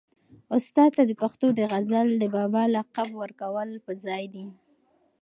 استاد ته د پښتو د غزل د بابا لقب ورکول په ځای دي.